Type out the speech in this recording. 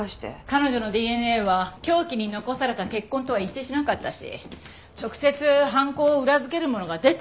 彼女のＤＮＡは凶器に残された血痕とは一致しなかったし直接犯行を裏づけるものが出てこない以上はね。